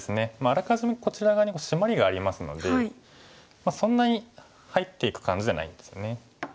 あらかじめこちら側にシマリがありますのでそんなに入っていく感じじゃないんですね。